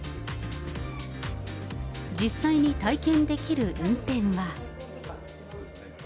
実際に体験できる運転は。